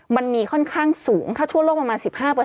มันมีค่อนข้างสูงถ้าทั่วโลกประมาณ๑๕